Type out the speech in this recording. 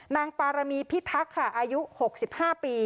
นางปารมีพิทักษ์ค่ะอายุ๖๕ปี